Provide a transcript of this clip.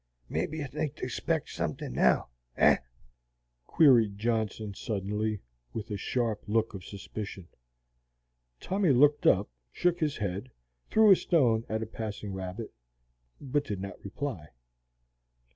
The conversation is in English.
Maybe ye think they spects suthin now, eh?" queried Johnson, suddenly, with a sharp look of suspicion. Tommy looked up, shook his head, threw a stone at a passing rabbit, but did not reply.